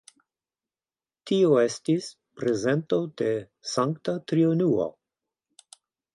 Tio estis prezento de Sankta Triunuo.